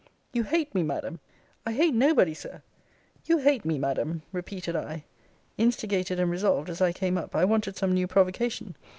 'You hate me, Madam 'I hate nobody, Sir 'You hate me, Madam, repeated I. 'Instigated and resolved, as I came up, I wanted some new provocation.